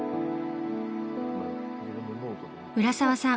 浦沢さん